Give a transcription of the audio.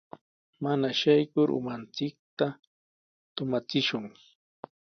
Mana shaykur umanchikta tumachishun.